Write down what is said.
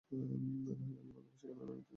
তাঁহাকে আমি ভালবাসি, কেন না তিনি প্রেমস্বরূপ।